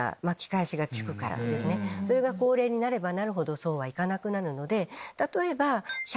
それが高齢になればなるほどそうはいかなくなるので。